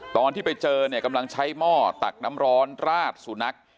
ตอนที่ไปเจอเนี่ยกำลังใช้หม้อตักน้ำร้อนราดสุนัข